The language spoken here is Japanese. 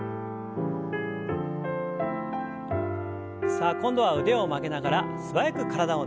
さあ今度は腕を曲げながら素早く体をねじります。